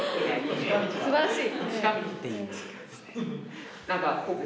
すばらしい！